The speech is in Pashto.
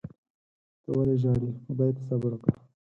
ته ولي ژاړې . خدای ته صبر وکړه